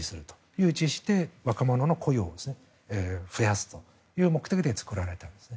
誘致して若者の雇用を増やすという目的で作られたんです。